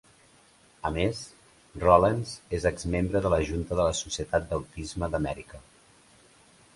A més, Rollens és exmembre de la junta de la Societat d'Autisme d'Amèrica.